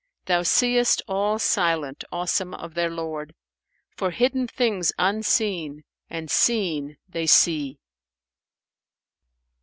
Thou seest all silent, awesome of their Lord, * For hidden things unseen and seen they see."